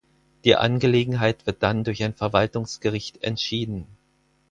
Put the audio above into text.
Die Angelegenheit wird dann durch ein Verwaltungsgericht entschieden.